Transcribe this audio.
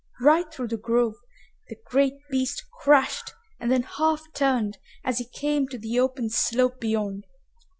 Right through the grove the great beast crashed and then half turned as he came to the open slope beyond.